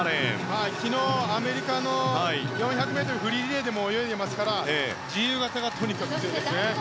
昨日、アメリカの４００ｍフリーリレーでも泳いでいますから自由形がとにかく速いです。